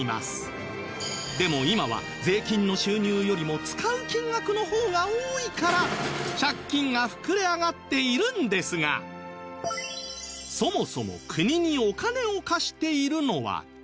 でも今は税金の収入よりも使う金額の方が多いから借金が膨れ上がっているんですがそもそも国にお金を貸しているのは誰？